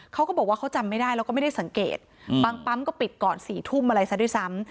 เขาก็บอกว่าเขาจำไม่ได้แล้วก็ไม่ได้สังเกตบางปั๊มก็ปิดก่อน๔ทุ่มอะไรซะด้วยซ้ำ